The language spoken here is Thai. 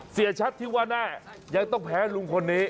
เสียชัดที่ว่าแน่ยังต้องแพ้ลุงคนนี้